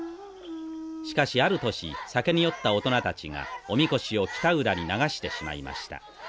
しかしある年酒に酔った大人たちがおみこしを北浦に流してしまいました。